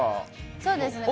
そうですね。